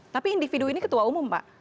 tapi individu ini ketua umum pak